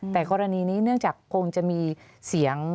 แต่กรณีนี้เนื่องจากคงจะมีเสียง